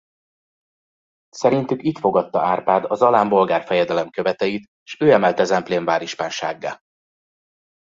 Szerintük itt fogadta Árpád a Zalán bolgár fejedelem követeit s ő emelte Zemplén várispánsággá.